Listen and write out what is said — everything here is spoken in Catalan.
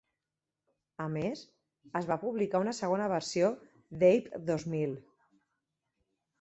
A més, es va publicar una segona versió d'"Ape Dos Mil".